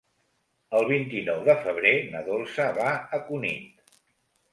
El vint-i-nou de febrer na Dolça va a Cunit.